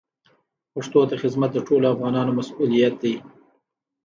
پښتو ته خدمت د ټولو افغانانو مسوولیت دی.